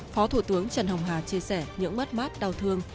phó thủ tướng trần hồng hà chia sẻ những mất mát đau thương